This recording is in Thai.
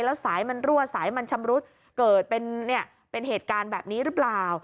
แล้วสายมันรั่วสายมันชำรุดเกิดเป็นเหตุการณ์แบบนี้หรือเปล่า